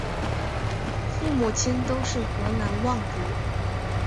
父母亲都是河南望族。